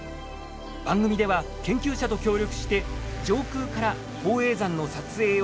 番組では研究者と協力して上空から宝永山の撮影を試みました。